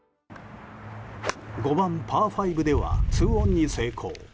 ５番、パー５では２オンに成功。